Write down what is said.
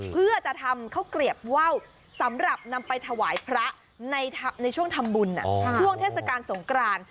เพื่อจะทำข้าวเกลียบว่าวสำหรับนำไปถวายพระในช่วงทำบุญช่วงเทศกาลสงกราน